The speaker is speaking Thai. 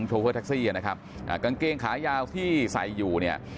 โฟแท็กซี่นะครับอ่ากางเกงขายาวที่ใส่อยู่เนี่ย